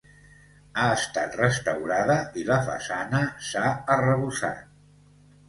Ha estat restaurada, i la façana s'ha arrebossat.